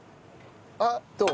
あっどう？